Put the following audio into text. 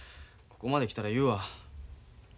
ここまで来たら言うわ。